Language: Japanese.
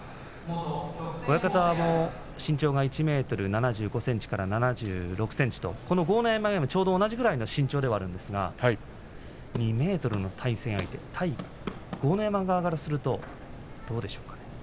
親方も身長が１ｍ７５ｃｍから７６ｃｍと豪ノ山とちょうど同じぐらいの身長ではあるんですが２ｍの対戦相手対豪ノ山側からするとどうでしょうかね。